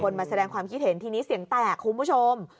มาแสดงความคิดเห็นทีนี้เสียงแตกคุณผู้ชม